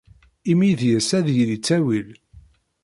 Imi deg-s ad yili ttawil.